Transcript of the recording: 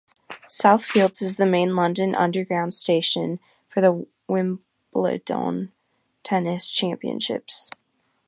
Southfields is the main London Underground station for the Wimbledon Tennis Championships.